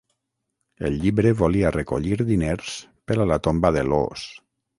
El llibre volia recollir diners per a la tomba de Loos.